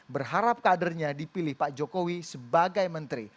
berharap kadernya dipilih pak jokowi sebagai menteri